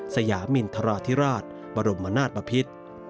สยามินทราธิราชบรมนาศบพิษ